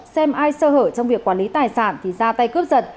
xem ai sơ hở trong việc quản lý tài sản thì ra tay cướp giật